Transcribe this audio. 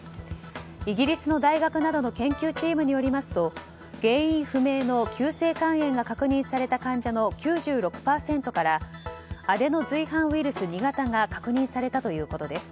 イギリスの大学などの研究チームによりますと原因不明の急性肝炎が確認された患者の９６％からアデノ随伴ウイルス２型が確認されたということです。